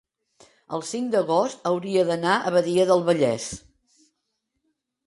el cinc d'agost hauria d'anar a Badia del Vallès.